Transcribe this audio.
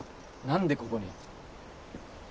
何でここに？